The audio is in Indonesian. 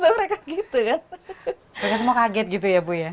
mereka semua kaget gitu ya bu ya